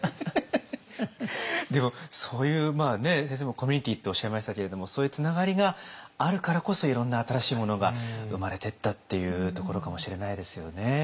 でもそういう先生もコミュニティーっておっしゃいましたけれどもそういうつながりがあるからこそいろんな新しいものが生まれてったっていうところかもしれないですよね。